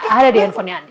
ada di handphonenya andi